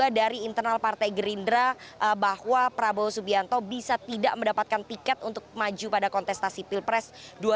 dan juga dari internal partai gerindra bahwa prabowo subianto bisa tidak mendapatkan tiket untuk maju pada kontestasi pilpres dua ribu sembilan belas